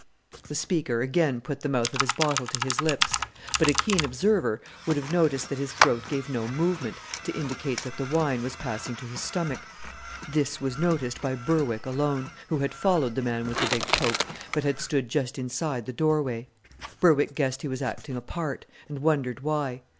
The speaker again put the mouth of his bottle to his lips; but a keen observer would have noticed that his throat gave no movement to indicate that the wine was passing to his stomach. This was noticed by Berwick alone, who had followed the man with the big poke, but had stood just inside the doorway. Berwick guessed he was acting a part, and wondered why.